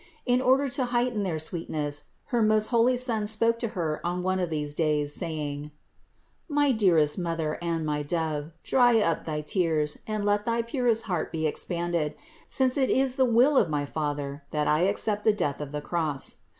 In order to heighten their sweetness her most holy Son spoke to Her on one of these days saying: "My dearest Mother and my Dove, dry up thy tears and let thy purest heart be expanded ; since it is the will of my Father, that I accept the death of the Cross.